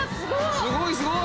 すごいすごい！